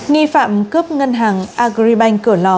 nghi phạm cướp ngân hàng agribank cửa lò